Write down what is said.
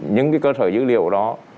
những cái cơ sở dữ liệu đó